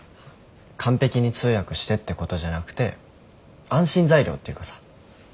完璧に通訳してってことじゃなくて安心材料っていうかさ。